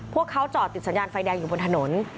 พวกเขาจอดติดสัญญาณไฟแดงอยู่บนถนน